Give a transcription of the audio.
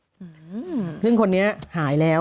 คุณหนุ่มกัญชัยได้เล่าใหญ่ใจความไปสักส่วนใหญ่แล้ว